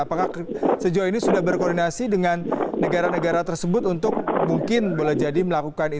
apakah sejauh ini sudah berkoordinasi dengan negara negara tersebut untuk mungkin boleh jadi melakukan ini